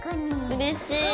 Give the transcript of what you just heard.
うれしい。